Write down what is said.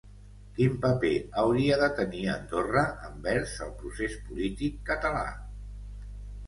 Quin paper hauria de tenir Andorra envers el procés polític català?